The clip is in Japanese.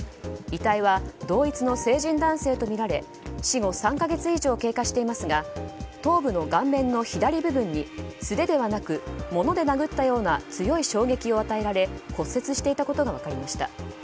遺体は同一の成人男性とみられ死後３か月以上経過していますが頭部の顔面の左部分に素手ではなく物で殴ったような強い衝撃を与えられ骨折していたことが分かりました。